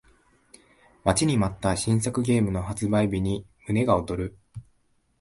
待ちに待った新作ゲームの発売日に胸が躍る